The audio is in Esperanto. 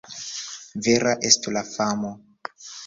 Vera estu la famo!